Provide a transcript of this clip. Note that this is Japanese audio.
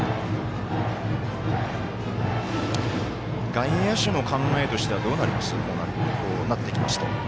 外野手の考えとしてはどうなりますか。